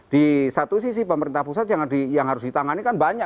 di satu sisi pemerintah pusat yang harus ditangani kan banyak